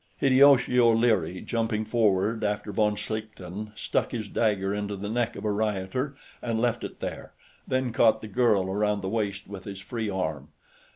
Hideyoshi O'Leary, jumping forward after von Schlichten, stuck his dagger into the neck of a rioter and left it there, then caught the girl around the waist with his free arm.